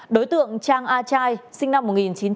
đối tượng trang a chai sinh năm một nghìn chín trăm chín mươi